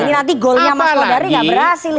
ini nanti goalnya mas kodari gak berhasil